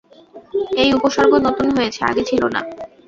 এই উপসর্গ নতুন হয়েছে, আগে ছিল না।